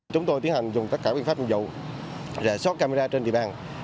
chúng tôi tiến hành dùng tất cả biện pháp dụng rè sót camera trên địa bàn